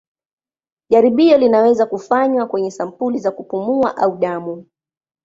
Jaribio linaweza kufanywa kwenye sampuli za kupumua au damu.